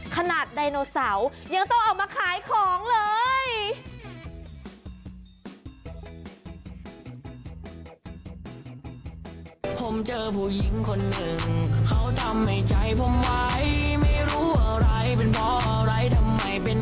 แต่ต้องบอกว่าช่วงเนี้ยรายละที่เศรษฐกิจมันซบเสา